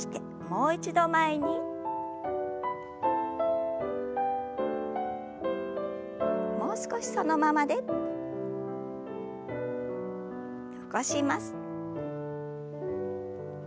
もう少しそのままで。起こします。